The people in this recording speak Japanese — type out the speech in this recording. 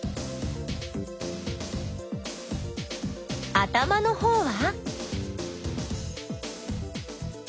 頭のほうは？